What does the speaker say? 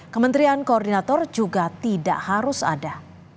kementerian koordinator juga tidak harus ada